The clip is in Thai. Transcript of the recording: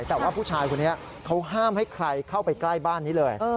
แต่ว่าผู้ชายคนนี้เขาห้ามให้ใครเข้าไปใกล้บ้านนี้เลย